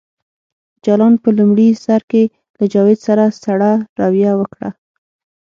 جلان په لومړي سر کې له جاوید سره سړه رویه وکړه